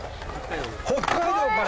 北海道から！？